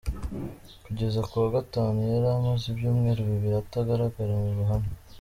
Kugeza ku wa Gatanu yari amaze ibyumweru bibiri atagaragara mu ruhame.